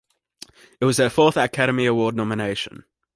It was her fourth Academy Award nomination.